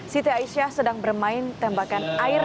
siti aisyah sedang bermain tembakan air